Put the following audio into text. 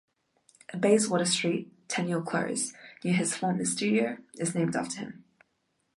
A Bayswater street, Tenniel Close, near his former studio, is named after him.